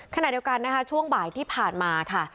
ขณะเดียวกันนะคะช่วงบ่ายที่ผ่านมาค่ะ